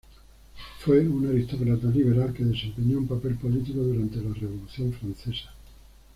Fue un aristócrata liberal que desempeñó un papel político durante la Revolución francesa.